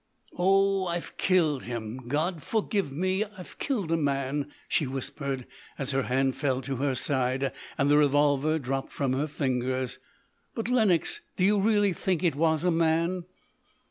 "Oh, I've killed him! God forgive me, killed a man!" she whispered, as her hand fell to her side, and the revolver dropped from her fingers. "But, Lenox, do you really think it was a man?"